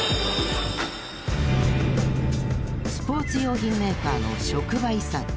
スポーツ用品メーカーの職場遺産。